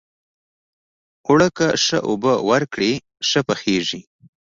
اوړه که ښه اوبه ورکړې، ښه پخیږي